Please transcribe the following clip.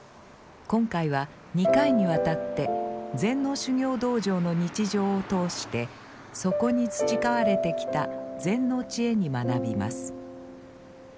今回は２回にわたって禅の修行道場の日常を通してそこに培われてきた禅の知恵に学びます。